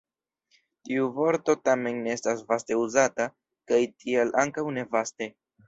Tiu vorto tamen ne estas vaste uzata, kaj tial ankaŭ ne vaste.